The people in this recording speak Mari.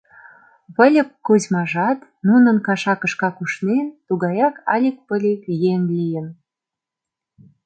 Выльып Кузьмажат нунын кашакышкак ушнен, тугаяк алик-пылик еҥ лийын.